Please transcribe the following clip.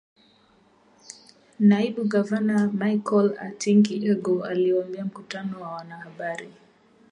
Naibu Gavana Michael Atingi-Ego aliuambia mkutano wa wanahabari.